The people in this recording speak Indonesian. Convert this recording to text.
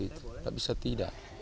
tidak bisa tidak